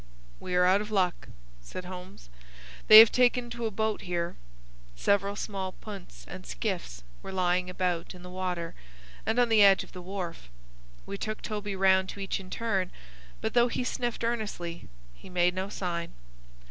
"We are out of luck," said Holmes. "They have taken to a boat here." Several small punts and skiffs were lying about in the water and on the edge of the wharf. We took Toby round to each in turn, but, though he sniffed earnestly, he made no sign.